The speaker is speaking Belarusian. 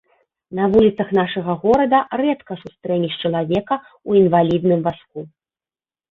На вуліцах нашага горада рэдка сустрэнеш чалавека ў інвалідным вазку.